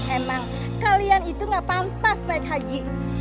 emang kalian itu gak pantas naik haji